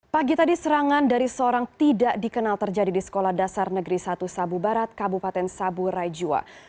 pagi tadi serangan dari seorang tidak dikenal terjadi di sekolah dasar negeri satu sabu barat kabupaten sabu raijua